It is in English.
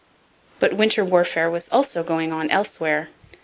But winter warfare was also going on elsewhere.